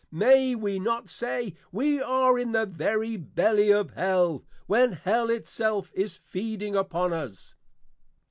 May we not say, We are in the very belly of Hell, when Hell it self is feeding upon us?